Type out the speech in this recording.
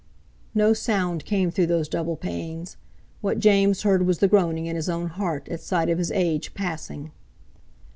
No sound came through those double panes; what James heard was the groaning in his own heart at sight of his Age passing.